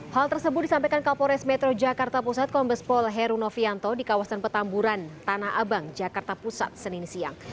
hal tersebut disampaikan kapolres metro jakarta pusat kombespol heru novianto di kawasan petamburan tanah abang jakarta pusat senin siang